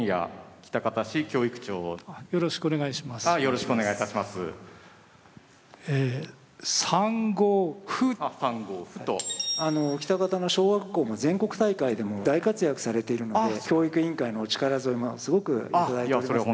喜多方の小学校も全国大会でも大活躍されているので教育委員会の力添えもすごく頂いてますね。